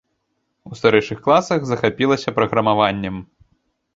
У старэйшых класах захапілася праграмаваннем.